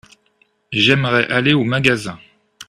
J’aimerais aller au magasin.